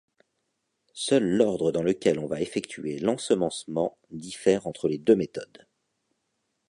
Seul l’ordre dans lequel on va effectuer l’ensemencement diffère entre les deux méthodes.